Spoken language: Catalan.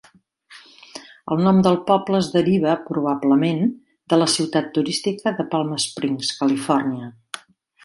El nom del poble es deriva probablement de la ciutat turística de Palm Springs, Califòrnia.